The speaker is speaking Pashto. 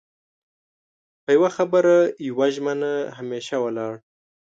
په يو خبره يوه ژمنه همېشه ولاړ